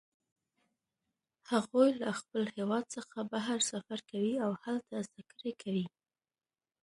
هغوی له خپل هیواد څخه بهر سفر کوي او هلته زده کړه کوي